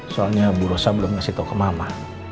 soalnya bu rosa belum kasih tau ke mama